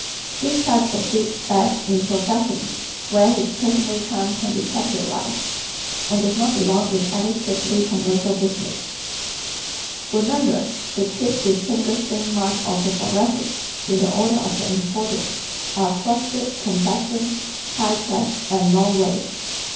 This type succeeds best in professions where his personal charm can be capitalized, and does not belong in any strictly commercial business. _Remember, the chief distinguishing marks of the Thoracic in the order of their importance, are FLUSHED COMPLEXION, HIGH CHEST and LONG WAIST.